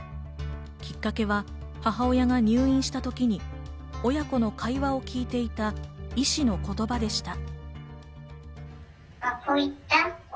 きっかけは母親が入院したときに親子の会話を聞いていた医師の言葉でした。